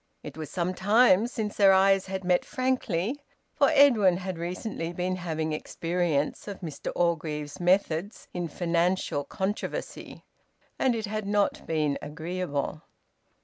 It was some time since their eyes had met frankly, for Edwin had recently been having experience of Mr Orgreave's methods in financial controversy, and it had not been agreeable.